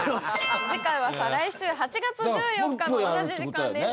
次回は再来週８月１４日の同じ時間です。